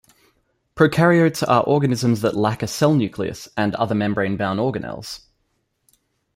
Prokaryotes are organisms that lack a cell nucleus and other membrane-bound organelles.